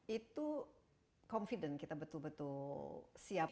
itu confident kita betul betul siap